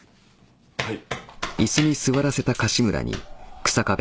はい。